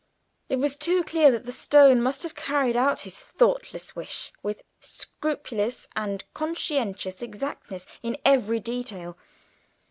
It was too clear that the stone must have carried out his thoughtless wish with scrupulous and conscientious exactness in every detail.